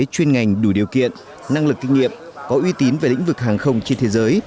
chuyên ngành đủ điều kiện năng lực kinh nghiệm có uy tín về lĩnh vực hàng không trên thế giới